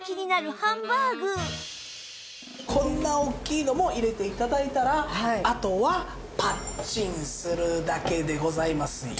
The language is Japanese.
こんなおっきいのも入れて頂いたらあとはパッチンするだけでございますよ。